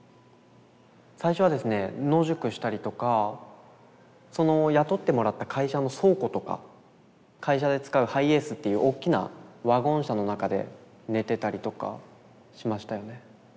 最初はですね野宿したりとか雇ってもらった会社の倉庫とか会社で使うハイエースっていうおっきなワゴン車の中で寝てたりとかしましたよね。